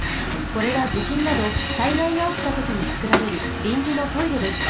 これはじしんなど災害がおきたときにつくられるりんじのトイレです。